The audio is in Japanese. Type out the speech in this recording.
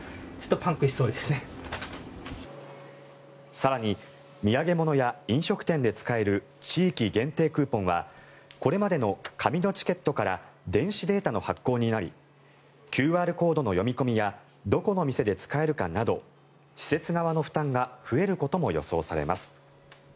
更に土産物や飲食店で使える地域限定クーポンはこれまでの紙のチケットから電子データの発行になりＱＲコードの読み込みやどこの店で使えるかなど施設側の負担が増えることも予想されます。